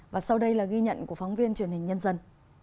và sau đây là ghi nhận của phóng viên truyền hình nhân dân